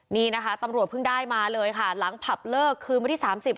นี่นะคะตำรวจเพิ่งได้มาเลยค่ะหลังผับเลิกคือเมื่อที่สามสิบ